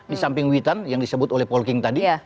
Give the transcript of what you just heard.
di samping witan yang disebut oleh paul king tadi